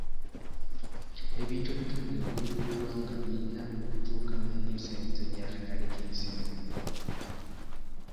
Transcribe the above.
Ebintu ebitundibwa ebweru w'eggwanga birina okutuukanya n'ebisaanyizo by'akatale k'ensi yonna.